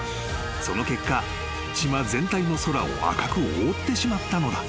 ［その結果島全体の空を赤く覆ってしまったのだ］